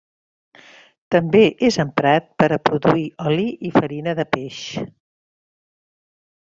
També és emprat per a produir oli i farina de peix.